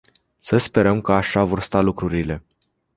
Să sperăm că așa vor sta lucrurile.